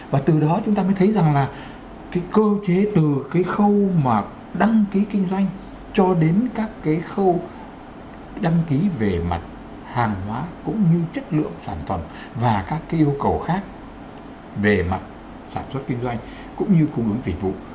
và từ đó chúng ta mới thấy rằng là cơ chế từ khâu đăng ký kinh doanh cho đến các khâu đăng ký về mặt hàng hóa cũng như chất lượng sản phẩm và các yêu cầu khác về mặt sản xuất kinh doanh cũng như cung ứng tỉnh vụ